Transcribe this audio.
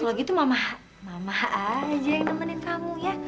kalau gitu mama aja yang nemenin kamu ya